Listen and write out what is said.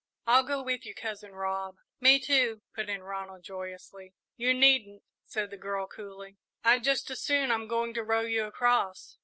"I'll go with you, Cousin Rob." "Me, too," put in Ronald, joyously. "You needn't," said the girl, coolly. "I'd just as soon I'm going to row you across."